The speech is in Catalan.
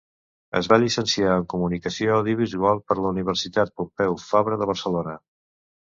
Es va llicenciar en comunicació audiovisual per la Universitat Pompeu Fabra de Barcelona.